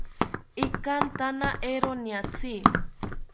Ikantana eero niatzi